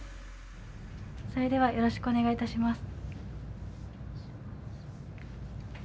それではよろしくお願いいたします。